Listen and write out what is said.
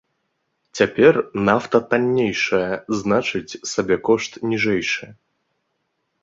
Цяпер нафта таннейшая, значыць сабекошт ніжэйшы.